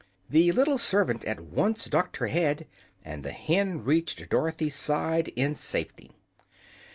The little servant at once ducked her head, and the hen reached Dorothy's side in safety.